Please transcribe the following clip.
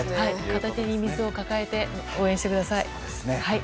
片手に水を抱えて応援してください。